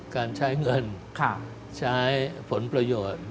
การใช้เงินใช้ผลประโยชน์